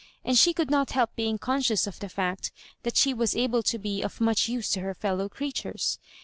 and she could not help beuig conscious of tlio f ijt chat she was able to be of much use to her i'eilowcreatures.